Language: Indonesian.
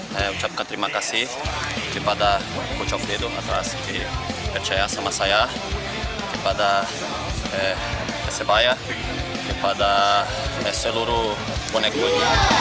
saya ucapkan terima kasih kepada kocok dedo atas rca sama saya kepada persebaya kepada seluruh bonekun